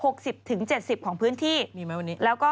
พี่ชอบแซงไหลทางอะเนาะ